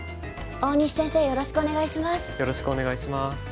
大西先生よろしくお願いします。